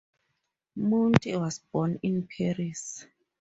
Munte was born in Paris.